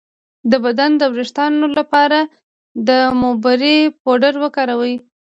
د بدن د ویښتو لپاره د موبری پوډر وکاروئ